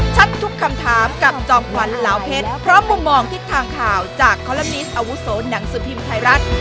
ชัดทุกคำถามกับจองควันลาวเพชรพร้อมมุมมองทิศทางข่าวจากโคลมิสอาวุศนังสุภิมิไทยรัฐ